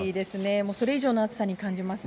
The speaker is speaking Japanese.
もう、それ以上の暑さに感じますね。